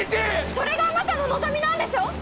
それがあなたの望みなんでしょう？